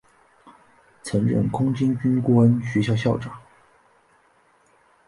曾任空军军官学校校长。